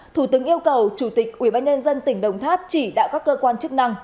thủ tướng yêu cầu chủ tịch ubnd tỉnh đồng tháp chỉ đạo các cơ quan chức năng